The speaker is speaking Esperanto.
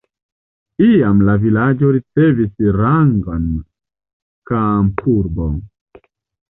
Iam la vilaĝo ricevis rangon kampurbo.